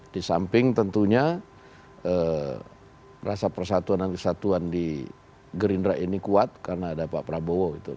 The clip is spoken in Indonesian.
di samping tentunya rasa persatuan dan kesatuan di gerindra ini kuat karena ada pak prabowo